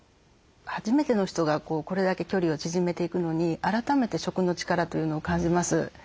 初めての人がこれだけ距離を縮めていくのに改めて食の力というのを感じます。